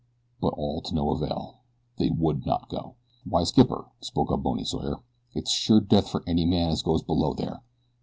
But all to no avail. They would not go. "Why, Skipper," spoke up Bony Sawyer, "it's sure death for any man as goes below there.